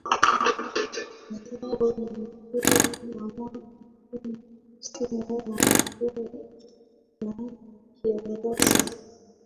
ambao ni mkoa wa Mwanza kuna msimu wa mvua na kiangazi